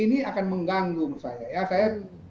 ini akan mengganggu menurut saya